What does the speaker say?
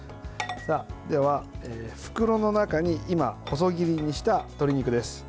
では、袋の中に今、細切りにした鶏肉です。